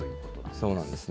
そうなんですね。